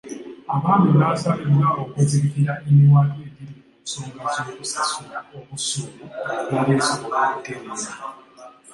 Abaami baasabiddwa okuzibikira emiwaatwa egiri mu nsonga z'okusasula obusuulu embeera esobole okutereera.